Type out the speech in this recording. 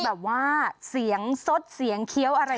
แบบว่าเสียงสดเสียงเคี้ยวอะไร